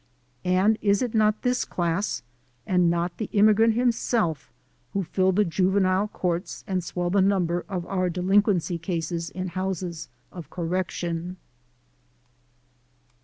And is it not this class, and not the immigrant himself, who fill the juvenile courts and swell the number of our delin quency cases in houses of correction?